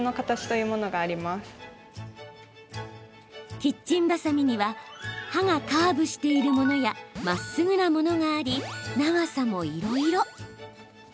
キッチンバサミには刃がカーブしているものやまっすぐなものがあり長さもいろいろ。